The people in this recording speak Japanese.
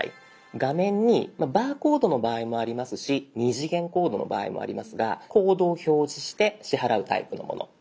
画面にバーコードの場合もありますし２次元コードの場合もありますがコードを表示して支払うタイプのもの。